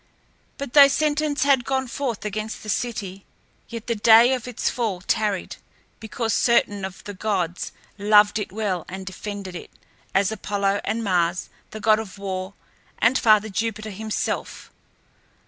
But though sentence had gone forth against the city, yet the day of its fall tarried, because certain of the gods loved it well and defended it, as Apollo and Mars, the god of war, and Father Jupiter himself.